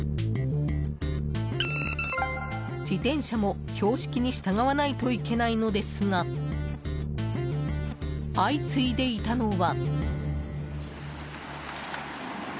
自転車も標識に従わないといけないのですが相次いでいたのは。